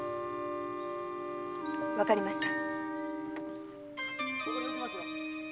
わかりました。